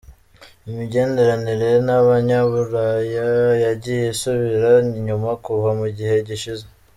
Imigenderanire n’abanyaburaya yagiye isubira inyuma kuva mu gihe gishize.